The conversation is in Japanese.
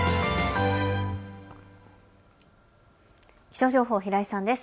気象情報、平井さんです。